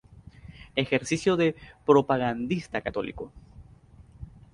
Ejerció de propagandista católico.